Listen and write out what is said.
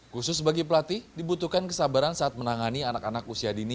khusus bagi pelatih dibutuhkan kesabaran saat menangani anak anak usia dini